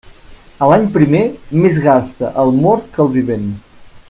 A l'any primer, més gasta el mort que el vivent.